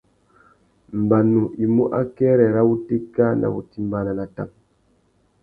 Mbanu i mú akêrê râ wutéka nà wutimbāna na tang.